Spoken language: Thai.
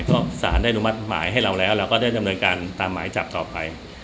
ก็สารได้อนุมัติหมายให้เราแล้วเราก็ได้ดำเนินการตามหมายจับต่อไป